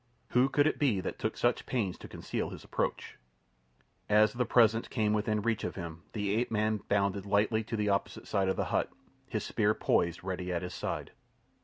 Who could it be that took such pains to conceal his approach? As the presence came within reach of him the ape man bounded lightly to the opposite side of the hut, his spear poised ready at his side.